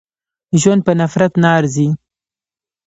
ژوند په نفرت نه ارزي.